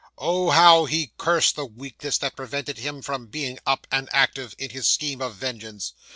Oh, how he cursed the weakness that prevented him from being up, and active, in his scheme of vengeance!